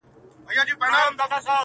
چي سیالي وي د قلم خو نه د تورو-